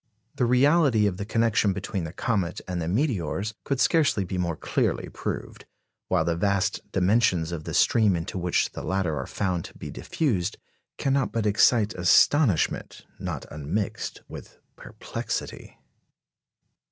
The reality of the connection between the comet and the meteors could scarcely be more clearly proved; while the vast dimensions of the stream into which the latter are found to be diffused cannot but excite astonishment not unmixed with perplexity.